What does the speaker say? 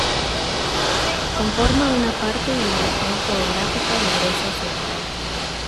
Conforma una parte de la región geográfica de Grecia Central.